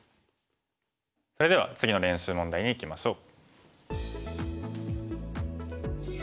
それでは次の練習問題にいきましょう。